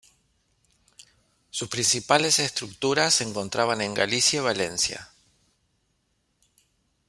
Sus principales estructuras se encontraban en Galicia y Valencia.